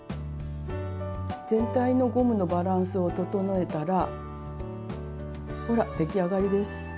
全体のゴムのバランスを整えたらほら出来上がりです！